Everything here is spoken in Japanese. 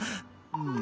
うん。